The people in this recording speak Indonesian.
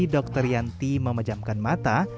dokter yanti memejamkan mata